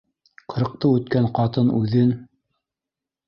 Ҡырҡты үткән ҡатын үҙен: